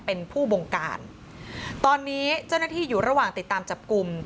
เป็นผู้บงการตอนนี้เจ้าหน้าที่อยู่ระหว่างติดตามจับกลุ่ม